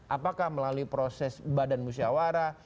apakah melalui proses badan musyawarah